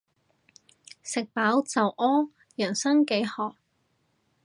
食飽就屙，人生幾何